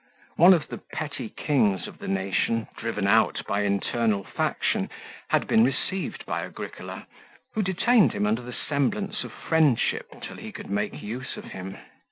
One of the petty kings of the nation, driven out by internal faction, had been received by Agricola, who detained him under the semblance of friendship till he could make use of him.